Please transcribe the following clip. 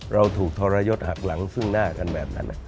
เราถูกทรยศหักหลังซึ่งหน้ากันแบบนั้น